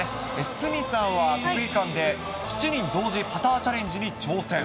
鷲見さんは国技館で７人同時パターチャレンジに挑戦。